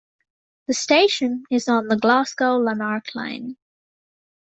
The station is on the Glasgow-Lanark line.